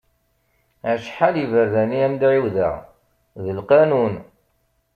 Acḥal iberdan i am-d-ɛiwdeɣ, d lqanun.